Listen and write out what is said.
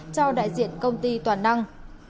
cho đại diện công ty toàn năng